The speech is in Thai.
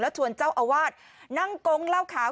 ชวนเจ้าอาวาสนั่งกงเล่าขาม